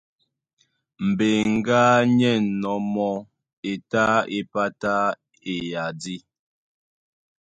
Mbeŋgá ní ɛ̂nnɔ́ mɔ́, e tá é pátá eyadí.